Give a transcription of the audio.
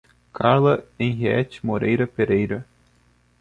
Carla Henriete Moreira Pereira